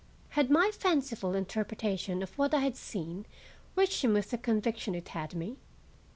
Had my fanciful interpretation of what I had seen reached him with the conviction it had me?